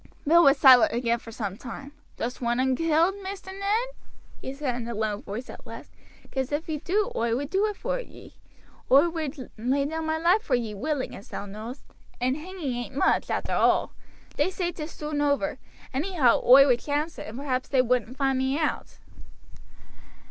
Bill was silent again for some time. "Dost want un killed, Maister Ned?" he said in a low voice at last; "'cause if ye do oi would do it for ye. Oi would lay down my life for ye willing, as thou knowst; and hanging ain't much, arter all. They say 'tis soon over. Anyhow oi would chance it, and perhaps they wouldn't find me out."